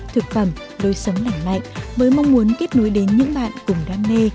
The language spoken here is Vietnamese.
thực phẩm đôi sống lảnh mạnh với mong muốn kết nối đến những bạn cùng đam mê